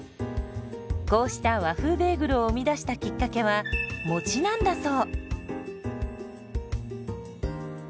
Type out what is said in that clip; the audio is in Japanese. こうした和風ベーグルを生み出したきっかけはもちなんだそう。